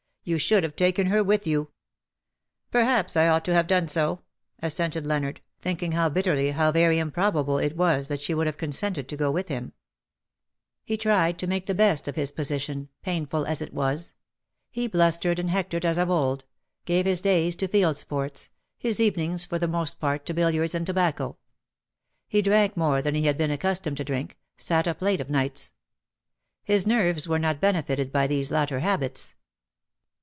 You should have taken her with you." " Perhaps I ought to have done so/' assented Leonard, thinking bitterly how very improbable it was that she would have consented to go with him . AU COUP DU PELERIN \" 141 He tried to make the best of his position^ painful as it was. He blustered and hectored as of old — gave his days to field sports — his evenings for the most part to billiards and tobacco. He drank more than he had been accustomed to drink, sat up late of nights. His nerves were not benefited by these latter habits.